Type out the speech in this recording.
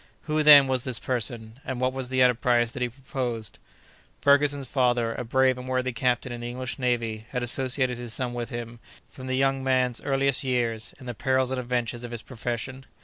Who, then, was this person, and what was the enterprise that he proposed? Ferguson's father, a brave and worthy captain in the English Navy, had associated his son with him, from the young man's earliest years, in the perils and adventures of his profession.